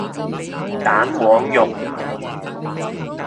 蛋黃肉